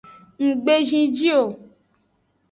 Nggbe zinji o.